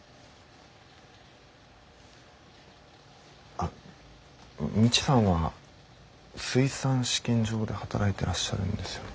あっ未知さんは水産試験場で働いてらっしゃるんですよね？